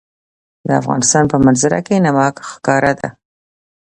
د افغانستان په منظره کې نمک ښکاره ده.